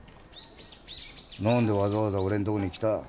何でわざわざ俺んとこに来た？